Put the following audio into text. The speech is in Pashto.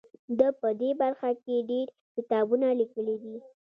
ده په دې برخه کې ډیر کتابونه لیکلي دي.